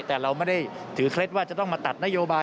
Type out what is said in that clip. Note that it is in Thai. แต่เราไม่ได้ถือเคล็ดว่าจะต้องมาตัดนโยบาย